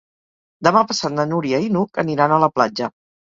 Demà passat na Núria i n'Hug aniran a la platja.